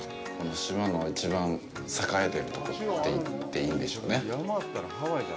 島の一番栄えてるところと言っていいんでしょうね。